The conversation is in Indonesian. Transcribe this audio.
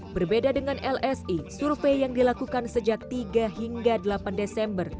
berbeda dengan lsi survei yang dilakukan sejak tiga hingga delapan desember